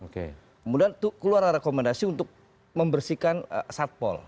kemudian keluar rekomendasi untuk membersihkan satpol